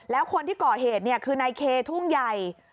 แล้วคนที่ก่อเหตุเนี่ยคือในเคทุ่งใหญ่